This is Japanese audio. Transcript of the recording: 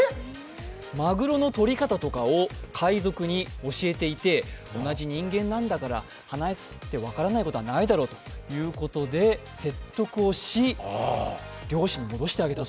まぐろのとり方とかを海賊に教えていて同じ人間なんだから、話して分からないことはないだろうということで説得をし、漁師に戻してあげたと。